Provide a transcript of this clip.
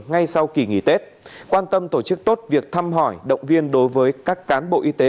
ngay sau kỳ nghỉ tết quan tâm tổ chức tốt việc thăm hỏi động viên đối với các cán bộ y tế